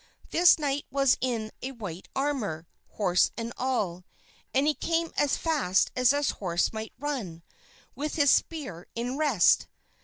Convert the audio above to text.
This knight was in white armor, horse and all, and he came as fast as his horse might run, with his spear in rest.